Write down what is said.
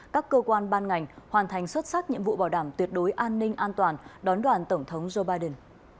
các cơ quan ban ngành hoàn thành xuất sắc nhiệm vụ bảo đảm tuyệt đối an ninh an toàn đón đoàn tổng thống joe biden